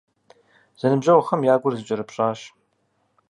Зэныбжьэгъухэм я гур зэкӀэрыпщӀащ.